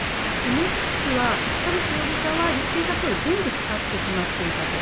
もう一つは、田口容疑者は言っていたとおり全部使ってしまっていたと。